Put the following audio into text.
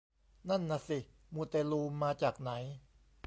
นั่นนะสิ มูเตลูมาจากไหน